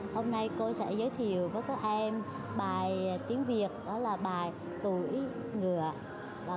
hôm nay cô sẽ giới thiệu với các em bài tiếng việt đó là bài tuổi ngựa